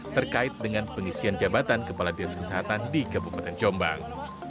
terkait dengan pengisian jabatan kepala dinas kesehatan di kabupaten jombang